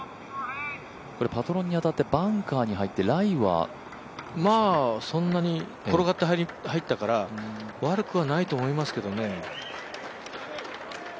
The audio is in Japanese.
パトロンに当たってバンカーに入ってライは転がって入ったから、悪くはないと思いますけどね。